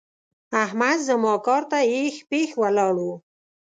احمد زما کار ته اېښ پېښ ولاړ وو.